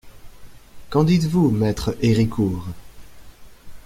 Qu'en dites-vous, Maître Héricourt?